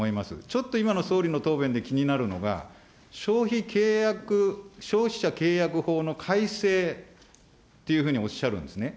ちょっと今の総理の答弁で気になるのが、消費者契約法の改正っていうふうにおっしゃるんですね。